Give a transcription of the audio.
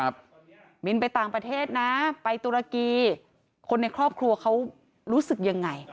บินไปต่างประเทศนะไปตุรกีคนในครอบครัวเขารู้สึกยังไง